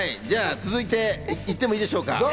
続いていってもいいでしょうか。